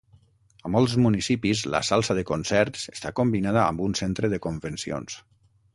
A molts municipis, la salsa de concerts està combinada amb un centre de convencions.